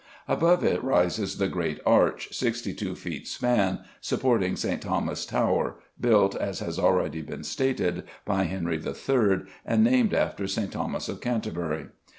Above it rises the great arch, sixty two feet span, supporting St. Thomas's Tower, built, as has already been stated, by Henry III., and named after St. Thomas of Canterbury.